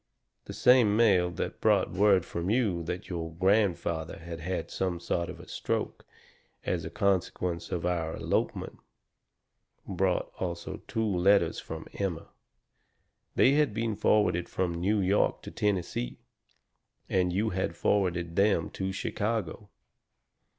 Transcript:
"The same mail that brought word from you that your grandfather had had some sort of a stroke, as a consequence of our elopement, brought also two letters from Emma. They had been forwarded from New York to Tennessee, and you had forwarded them to Chicago.